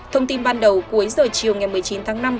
thông tin ban đầu cuối giờ chiều ngày một mươi chín tháng năm